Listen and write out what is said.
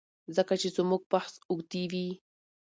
ځکه چي زموږ بحث اوږديوي